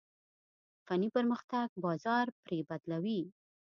فني پرمختګ بازار پرې بدلوي.